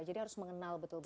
jadi harus mengenal betul betul